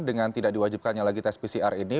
dengan tidak diwajibkannya lagi tes pcr ini